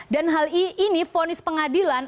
dan hal ini vonis pengadilan